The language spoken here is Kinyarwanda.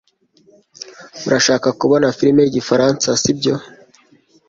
Urashaka kubona firime yigifaransa, sibyo?